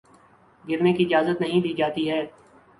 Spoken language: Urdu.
گرنے کی اجازت نہیں دی جاتی ہے